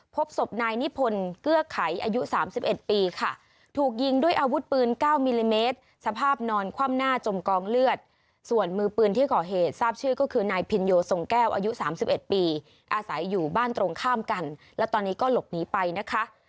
พบศพนายนิพนธ์เกื้อไขอายุ๓๑ปีค่ะถูกยิงด้วยอาวุธปืน๙มิลลิเมตรสภาพนอนคว่ำหน้าจมกองเลือดส่วนมือปืนที่ก่อเหตุทราบชื่อก็คือนายพินโยทรงแก้วอายุ๓๑ปีอาศัยอยู่บ้านตรงข้ามกันและตอนนี้ก็หลบหนีไปนะคะ